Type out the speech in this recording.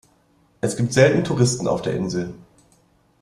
Es gibt selten Touristen auf der Insel.